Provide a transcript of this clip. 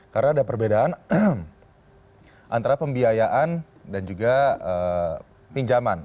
karena ada perbedaan antara pembiayaan dan juga pinjaman